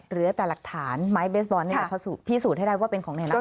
เหลือแต่หลักฐานไมค์เบสบอร์นพิสูจน์ให้ได้ว่าเป็นของแน่นอนครับคุณ